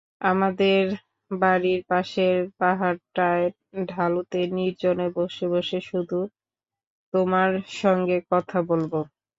আমাদের বাড়ির পাশের পাহাড়টায় ঢালুতে নির্জনে বসে বসে শুধু তোমার সঙ্গে কথা বলব।